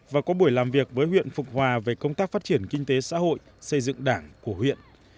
và có buổi làm việc với huyện phục hòa về công tác phát triển kinh tế xã hội xây dựng đảng của huyện